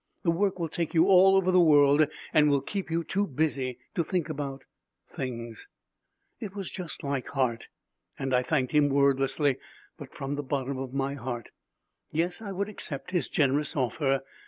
The work will take you all over the world and will keep you too busy to think about things." It was just like Hart, and I thanked him wordlessly, but from the bottom of my heart. Yes, I would accept his generous offer.